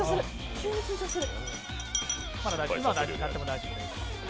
急に緊張する。